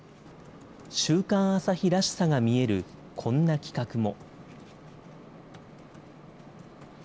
週刊朝日らしさが見えるこんな企画も。